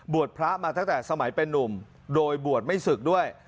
พระมาตั้งแต่สมัยเป็นนุ่มโดยบวชไม่ศึกด้วย